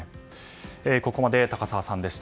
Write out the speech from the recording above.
ここまで高沢さんでした。